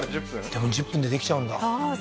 でも１０分でできちゃうんだああー